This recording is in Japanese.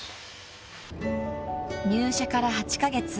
［入社から８カ月］